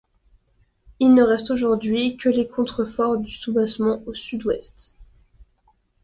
Il ne reste aujourd’hui que les contreforts du soubassement au Sud-Ouest.